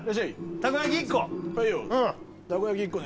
たこ焼き１個ね。